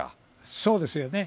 そうですよね。